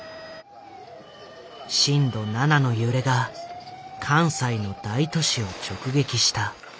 震度７の揺れが関西の大都市を直撃した。